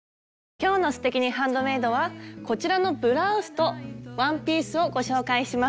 今日の「すてきにハンドメイド」はこちらのブラウスとワンピースをご紹介します。